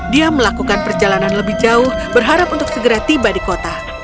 dia melakukan perjalanan lebih jauh berharap untuk segera tiba di kota